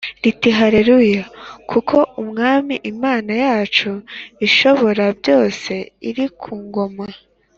riti “Haleluya! Kuko Umwami Imana yacu Ishoborabyose iri ku ngoma!